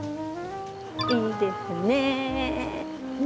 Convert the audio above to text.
いいですね。